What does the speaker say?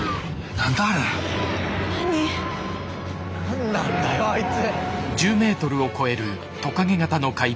なんなんだよあいつ。